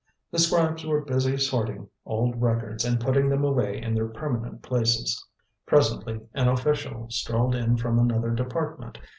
The scribes were busy sorting old records and putting them away in their permanent places. Presently an official strolled in from another department.